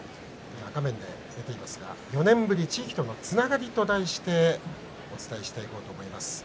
画面で出ていますが４年ぶり地域とのつながりと題してお伝えしていこうと思います。